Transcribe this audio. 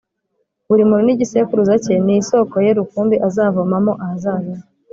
Buri muntu n’igisekuruza cye ni isoko ye rukumbi azavomamo ahazaza he